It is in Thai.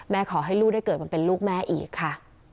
แม่ขอให้ลูกได้เป็นลูกแม่อีกค่ะ